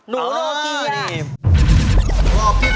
หนูโรเกีย